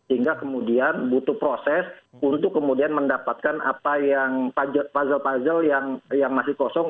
hingga kemudian butuh proses untuk kemudian mendapatkan apa yang puzzle puzzle yang masih kosong